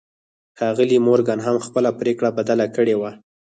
ښاغلي مورګان هم خپله پرېکړه بدله کړې وه.